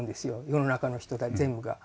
世の中の人たち全部が。